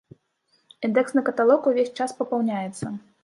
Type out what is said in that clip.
Індэксны каталог увесь час папаўняецца.